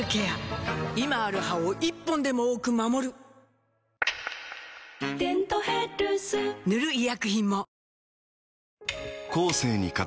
今ある歯を１本でも多く守る「デントヘルス」塗る医薬品も